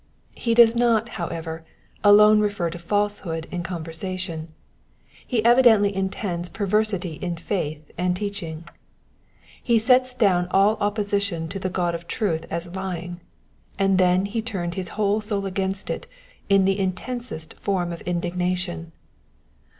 He does not, however, alone refer to falsehood in conversa tion ; he evidently intends perversity in faith and teaching. He set down all opposition to the God of truth as lying, and then he turned his whole soul against it in the iutensest form of indignation.